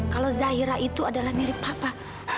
kalau zahira itu adalah mirip papa